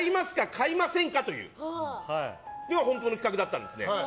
買いませんか？というのが本当の企画だったんですね。